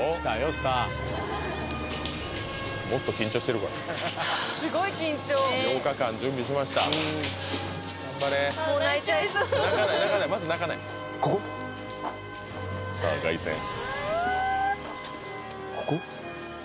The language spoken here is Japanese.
スターもっと緊張してるからはぁすごい緊張８日間準備しましたあ泣いちゃいそう泣かない泣かないまず泣かないスター凱旋うわここ？